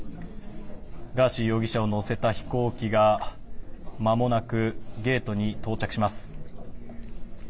ガーシー容疑者を乗せた飛行機がまもなくゲートに到着します。